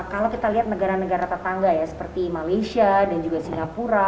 kalau kita lihat negara negara tetangga ya seperti malaysia dan juga singapura